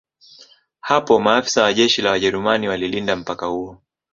Hapo maafisa wa jeshi la Wajerumani walilinda mpaka huo